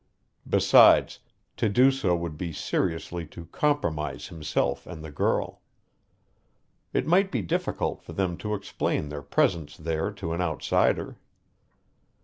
Besides, to do so would be seriously to compromise himself and the girl. It might be difficult for them to explain their presence there to an outsider.